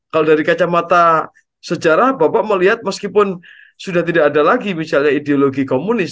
kalau dari kacamata sejarah bapak melihat meskipun sudah tidak ada lagi misalnya ideologi komunis